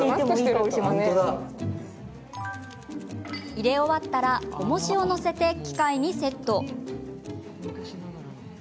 入れ終わったらおもしを載せて機械にセット。